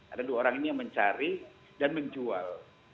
ada dua orang ini yang mencari dan menjual